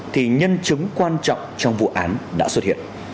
thì nhân chứng quan trọng trong vụ án đã xuất hiện